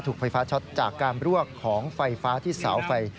ถูกไฟฟ้าช็อตจากการรวกของไฟฟ้าที่เสาไฟ